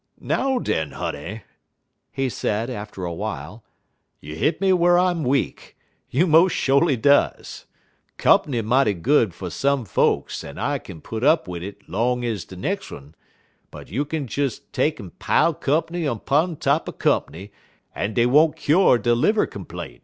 "Now, den, honey," he said, after a while, "you hit me whar I'm weak you mos' sho'ly does. Comp'ny mighty good fer some folks en I kin put up wid it long ez de nex' un, but you kin des take'n pile comp'ny 'pun top er comp'ny, en dey won't kyore de liver complaint.